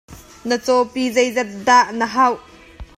Na cawpi zeizat dah na hauh?